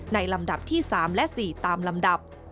ลำดับที่๓และ๔ตามลำดับ